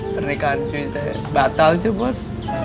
pernikahan cuy batal cuy bos